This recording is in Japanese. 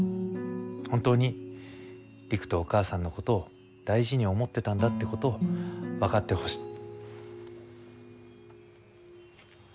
本当に璃久とお母さんのことを大事に思ってたんだってことを分かってほしい。